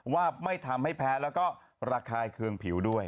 ว่าไม่ทำให้แพ้แล้วก็ระคายเคืองผิวด้วย